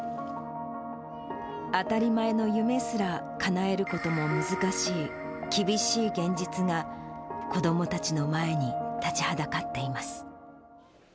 当たり前の夢すらかなえることも難しい厳しい現実が、子どもたちの前に立ちはだかっています。